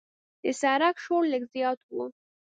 د سړک شور لږ زیات و.